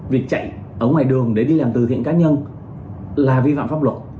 việc chạy ở ngoài đường để đi làm từ thiện cá nhân là vi phạm pháp luật